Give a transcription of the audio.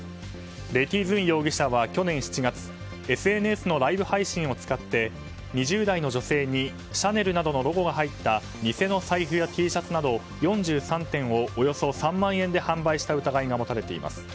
レー・ティ・ズン容疑者は去年７月ＳＮＳのライブ配信を使って２０代の女性にシャネルなどのロゴが入った偽の財布やＴシャツなど４３点をおよそ３万円で販売した疑いが持たれています。